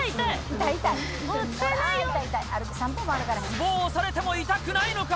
つぼを押されても痛くないのか。